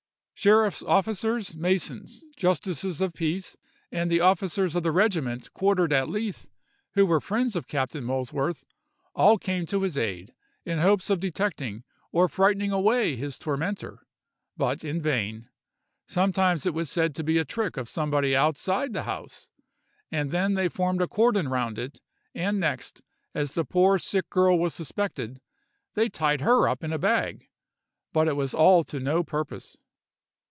Sheriff's officers, masons, justices of peace, and the officers of the regiment quartered at Leith, who were friends of Captain Molesworth, all came to his aid, in hopes of detecting or frightening away his tormentor, but in vain. Sometimes it was said to be a trick of somebody outside the house, and then they formed a cordon round it; and next, as the poor sick girl was suspected, they tied her up in a bag—but it was all to no purpose.